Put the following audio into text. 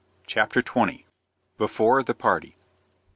CHAPTER XX. BEFORE THE PARTY.